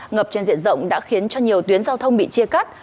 ngập trên diện rộng đã khiến cho nhiều tuyến giao thông bị chia cắt